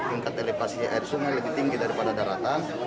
tingkat elevasi air sungai lebih tinggi daripada daratan